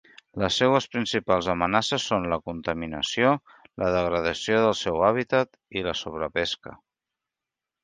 Les seues principals amenaces són la contaminació, la degradació del seu hàbitat i la sobrepesca.